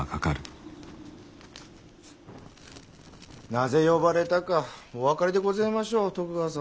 なぜ呼ばれたかお分かりでごぜましょう徳川様。